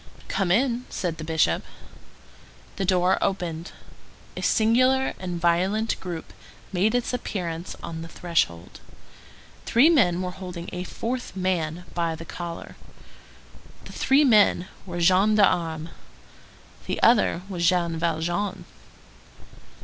"Come in," said the Bishop. The door opened. A singular and violent group made its appearance on the threshold. Three men were holding a fourth man by the collar. The three men were gendarmes; the other was Jean Valjean.